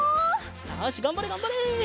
よしがんばれがんばれ！